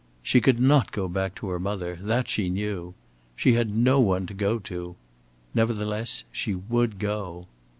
She could not go back to her mother, that she knew. She had no one to go to; nevertheless, she would go.